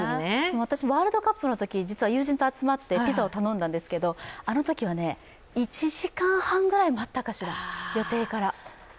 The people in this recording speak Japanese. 私、ワールドカップのとき実は友人と集まってピザを頼んだんですけどあのときは１時間半くらい待ったかしら、予定から。